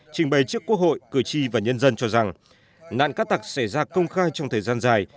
trình bày trước quốc hội cử tri và nhân dân cho rằng nạn cát tặc xảy ra công khai trong thời gian dài